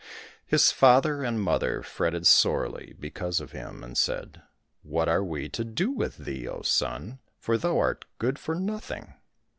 His father and mother fretted sorely because of him, and said, " What are we to do with thee, O son ? for thou art good for nothing.